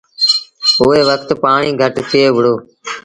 اُئي وکت پآڻيٚ گھٽ ٿئي وُهڙو۔